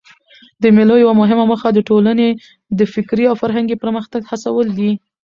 د مېلو یوه مهمه موخه د ټولني د فکري او فرهنګي پرمختګ هڅول دي.